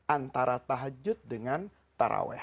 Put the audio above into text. antara tahajud dengan terawih